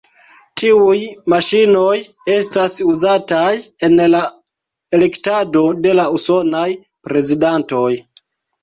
Tiuj maŝinoj estas uzataj en la elektado de la usonaj prezidantoj.